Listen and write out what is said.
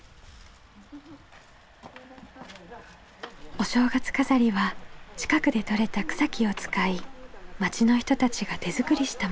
お正月飾りは近くでとれた草木を使い町の人たちが手作りしたもの。